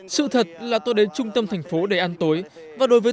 sự thật là tôi đến trung tâm thành phố để ăn tối